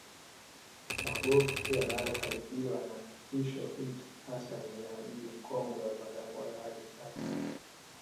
Magofu yanayokabiriwa na kitisho hiki hasa ni ya Mji mkongwe wa Bagamoyo hadi Sasa